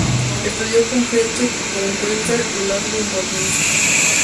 Estudió con Friedrich von Wieser y Ludwig von Mises.